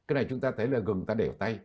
cái này chúng ta thấy là gừng ta để ở tay